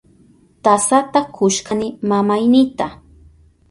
Tasata kushkani mamaynita.